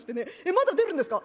まだ出るんですか？